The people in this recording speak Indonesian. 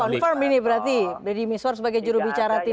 jadi belum confirm ini berarti dedy mezwar sebagai juru bicara tim